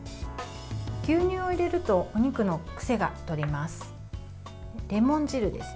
牛乳を入れるとお肉の癖がとれます。